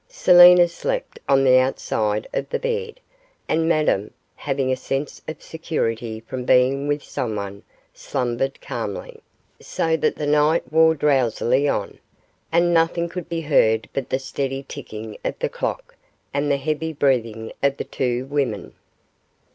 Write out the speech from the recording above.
Selina slept on the outside of the bed, and Madame, having a sense of security from being with someone, slumbered calmly; so the night wore drowsily on, and nothing could be heard but the steady ticking of the clock and the heavy breathing of the two women.